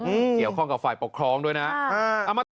เกี่ยวข้องกับฝ่ายปกครองด้วยนะ